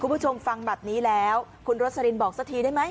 คุณผู้ชมฟังแบบนี้แล้วคุณโรสลินบอกสักทีได้ไหม